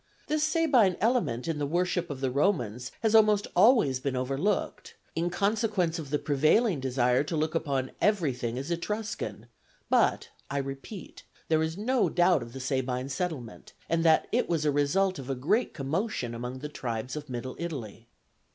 This Sabine element in the worship of the Romans has almost always been overlooked, in consequence of the prevailing desire to look upon everything as Etruscan; but, I repeat, there is no doubt of the Sabine settlement, and that it was the result of a great commotion among the tribes of middle Italy.